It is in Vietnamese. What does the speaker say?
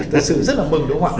thật sự rất là mừng đúng không ạ